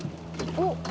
おっ！